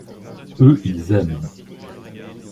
Eux, ils aiment.